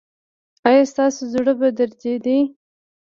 ایا ستاسو زړه به دریدي؟